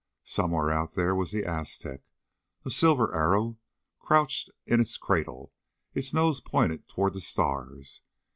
Somewhere out there was the Aztec, a silver arrow crouched in its cradle, its nose pointed toward the stars.